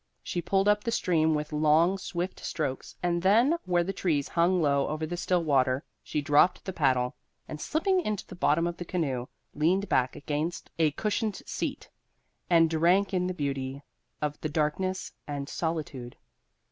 She pulled up the stream with long, swift strokes, and then, where the trees hung low over the still water, she dropped the paddle, and slipping into the bottom of the canoe, leaned back against a cushioned seat and drank in the beauty of the darkness and solitude.